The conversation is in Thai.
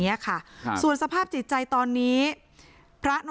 ไม่อยากให้มองแบบนั้นจบดราม่าสักทีได้ไหม